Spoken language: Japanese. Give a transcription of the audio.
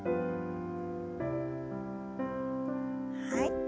はい。